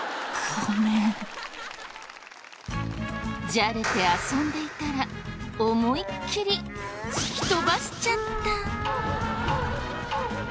じゃれて遊んでいたら思いっきり突き飛ばしちゃった。